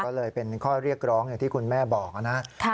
ก็เลยเป็นข้อเรียกร้องอย่างที่คุณแม่บอกนะครับ